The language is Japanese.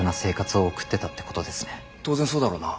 当然そうだろうな。